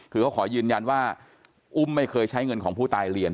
คือเขาขอยืนยันว่าอุ้มไม่เคยใช้เงินของผู้ตายเรียน